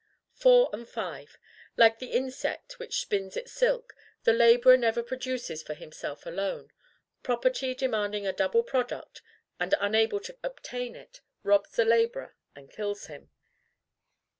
4 and 5. Like the insect which spins its silk, the laborer never produces for himself alone. Property, demanding a double product and unable to obtain it, robs the laborer, and kills him.